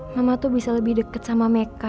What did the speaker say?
mama tuh bisa lebih dekat sama meka